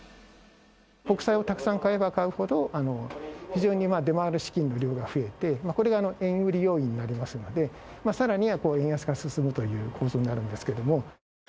国債をたくさん買えば買うほど、非常に出回る資金の量が増えて、これが円売り要因になりますので、さらに円安が進むという構造になるんですけれども。